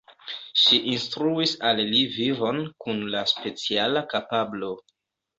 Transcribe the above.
Ŝi instruis al li vivon kun la speciala kapablo.